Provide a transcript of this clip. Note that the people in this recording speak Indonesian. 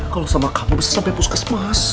kalau sama kamu bisa sampai puskesmas